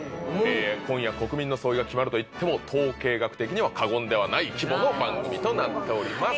今夜国民の総意が決まるといっても統計学的には過言ではない規模の番組となっております。